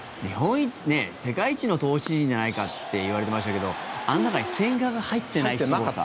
世界一の投手陣じゃないかっていわれてましたけどあの中に千賀が入ってないすごさ。